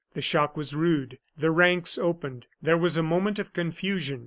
The shock was rude, the ranks opened, there was a moment of confusion.